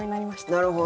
なるほど。